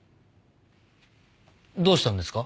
どうしたんですか？